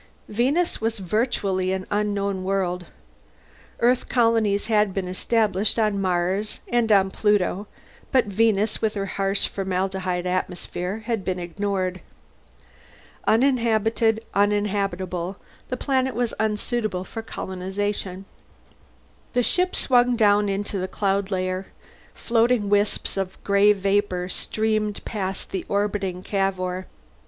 Venus was virtually an unknown world. Earth colonies had been established on Mars and on Pluto, but Venus, with her harsh formaldehyde atmosphere, had been ignored. Uninhabited, uninhabitable, the planet was unsuitable for colonization. The ship swung down into the cloud layer; floating wisps of gray vapor streamed past the orbiting Cavour.